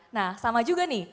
nah sama juga nih